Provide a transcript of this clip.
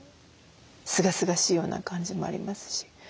すがすがしいような感じもありますし。